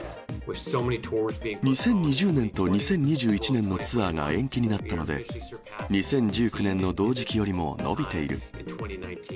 ２０２０年と２０２１年のツアーが延期になったので、２０１９年の同時期よりも伸びている。